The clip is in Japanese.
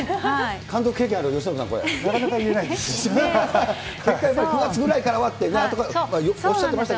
監督経験ある由伸さん、なかなか言えないですよ。